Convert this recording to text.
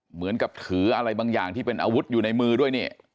เหมือนกับถืออะไรบางอย่างที่เป็นอาวุธอยู่ในมือด้วยนี่